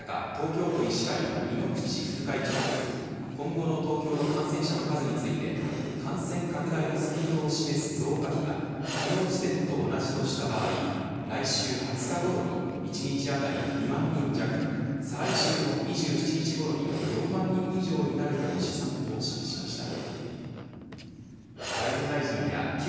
こうした中、東京都医師会の猪口副会長は今後の東京の感染者の数について感染拡大のスピードを示す増加比が昨日時点と同じとした場合来週２０日ごろに１日当たり２万人弱再来週の２７日ごろに４万人以上になるとの試算を示しました。